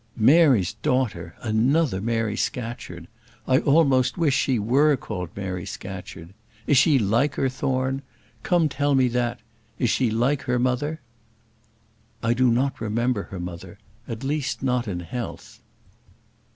Mary's daughter; another Mary Scatcherd! I almost wish she were called Mary Scatcherd. Is she like her, Thorne? Come, tell me that, is she like her mother." "I do not remember her mother; at least not in health."